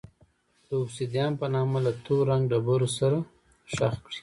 د اوبسیدیان په نامه له تور رنګه ډبرو سره ښخ کړي.